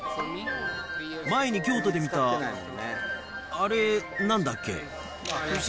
前に京都で見た、あれ、なんだっけ？